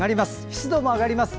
湿度も上がります。